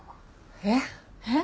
えっ？えっ？